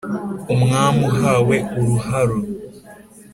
umwami uhawe uruharo